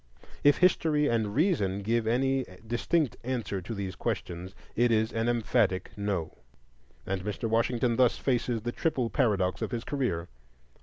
If history and reason give any distinct answer to these questions, it is an emphatic No. And Mr. Washington thus faces the triple paradox of his career: 1.